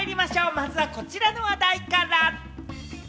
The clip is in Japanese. まずはこちらの話題から。